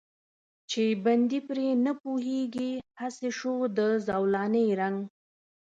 چې بندي پرې نه پوهېږي، هسې شو د زولانې رنګ.